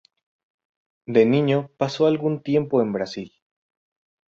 De niño pasó algún tiempo en Brasil.